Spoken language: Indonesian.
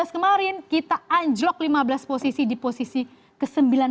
dua ribu tujuh belas kemarin kita anjlok lima belas posisi di posisi ke sembilan puluh enam